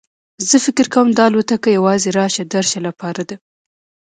زه فکر کوم دا الوتکه یوازې راشه درشه لپاره ده.